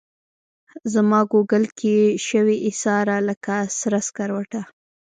زماګوګل کي شوې ایساره لکه سره سکروټه